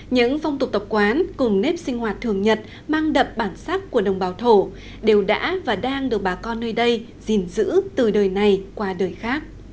những phong tục tập quán cùng nếp sinh hoạt thường nhật mang đậm bản sắc của đồng bào thổ đều đã và đang được bà con nơi đây gìn giữ từ đời này qua đời khác